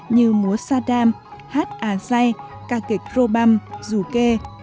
như múa saddam hát a zai ca kịch robam dù kê